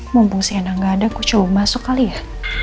mumpung siena gak ada aku coba masuk kali ya